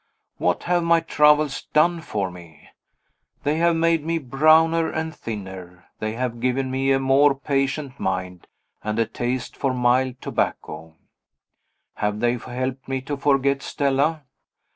What have my travels done for me? They have made me browner and thinner; they have given me a more patient mind, and a taste for mild tobacco. Have they helped me to forget Stella?